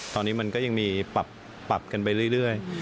ตอนนี้มันก็ยังมีปรับกันไปเรื่อย